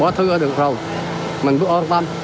rồi hơi trồng dò môn bữa ngộng suốt đêm